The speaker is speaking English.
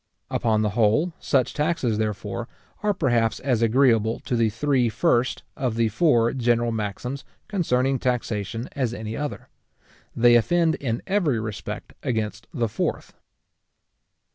Upon the whole, such taxes, therefore, are perhaps as agreeable to the three first of the four general maxims concerning taxation, as any other. They offend in every respect against the fourth.